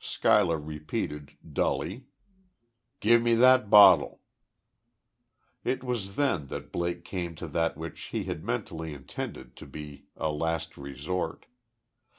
Schuyler repeated, dully: "Give me that bottle!" It was then that Blake came to that which he had mentally intended to be a last resort.